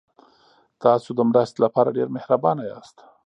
تاسو د مرستې لپاره ډېر مهربانه یاست.